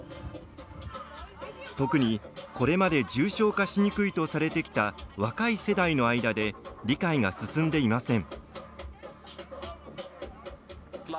特に、これまで重症化しにくいとされてきた若い世代の間で理解が進んでいません。